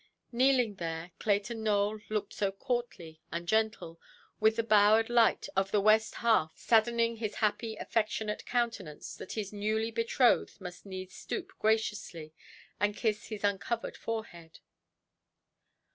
Kneeling there, Clayton Nowell looked so courtly and gentle, with the bowered light of the west half saddening his happy, affectionate countenance, that his newly–betrothed must needs stoop graciously, and kiss his uncovered forehead.